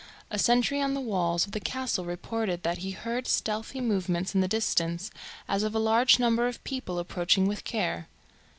A sentry on the walls of the castle reported that he heard stealthy movements in the distance as of a large number of people approaching with care.